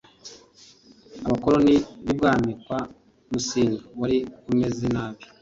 abakoroni b’ ibwami kwa musinga wari umeze nabi